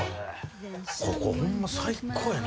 ここホンマ最高やな。